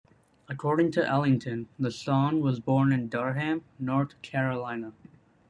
According to Ellington, the song was born in Durham, North Carolina.